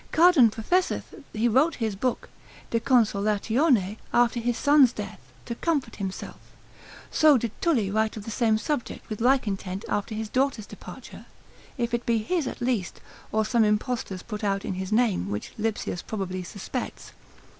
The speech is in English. Cardan professeth he wrote his book, De Consolatione after his son's death, to comfort himself; so did Tully write of the same subject with like intent after his daughter's departure, if it be his at least, or some impostor's put out in his name, which Lipsius probably suspects.